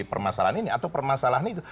permasalahan ini atau permasalahan itu